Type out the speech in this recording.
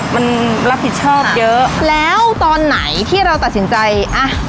มันรับผิดชอบเยอะแล้วตอนไหนที่เราตัดสินใจอ่ะ